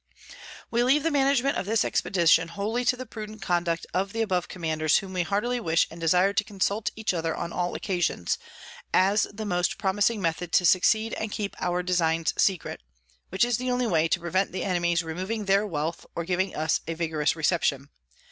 _ _We leave the Management of this Expedition wholly to the prudent Conduct of the above Commanders, whom we heartily wish and desire to consult each other on all occasions, as the most promising Method to succeed and keep our Designs secret; which is the only way to prevent the Enemies removing their Wealth, or giving us a vigorous Reception.